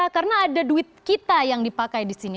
karena ada duit kita yang dipakai di sini